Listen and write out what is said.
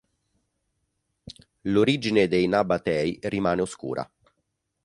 L'origine dei Nabatei rimane oscura.